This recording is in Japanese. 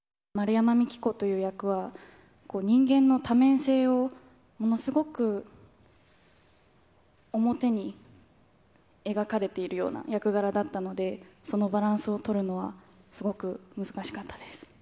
円山幹子という役は人間の多面性をものすごく表に描かれているような役柄だったので、そのバランスを取るのは、すごく難しかったです。